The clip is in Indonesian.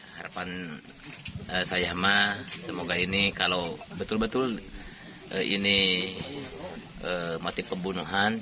harapan saya mah semoga ini kalau betul betul ini motif pembunuhan